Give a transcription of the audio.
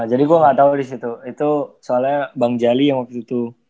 jadi gue gak tau disitu itu soalnya bang jali yang waktu itu